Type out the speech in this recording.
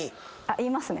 言いますね。